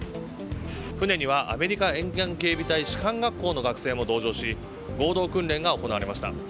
船には、アメリカの沿岸警備隊士官学校の学生も同乗し合同訓練が行われました。